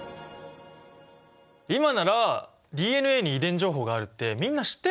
今ならＤＮＡに遺伝情報があるってみんな知ってるのにね。